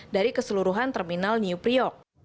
dari keseluruhan terminal new priok